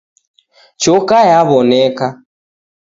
Choka yaw'oneka.